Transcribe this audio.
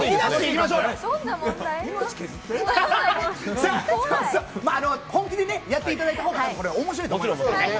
さあ、本気でやっていただいたほうがおもしろいと思いますんでね。